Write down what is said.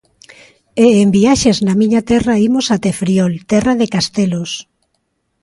E en Viaxes na Miña Terra imos até Friol, Terra de Castelos.